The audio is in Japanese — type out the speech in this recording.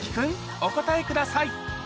お答えください